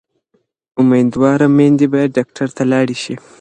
امیندواره میندې باید ډاکټر ته لاړې شي.